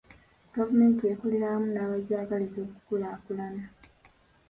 Gavumenti ekolera wamu n'abagyagaliza okukulaakulana.